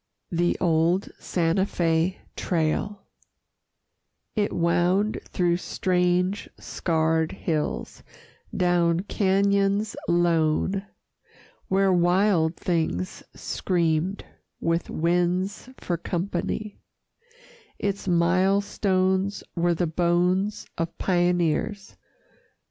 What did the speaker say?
THE OLD SANTA FÉ TRAIL It wound through strange scarred hills, down cañons lone Where wild things screamed, with winds for company; Its mile stones were the bones of pioneers.